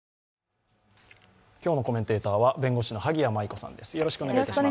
今日のコメンテーターは弁護士の萩谷麻衣子さんです。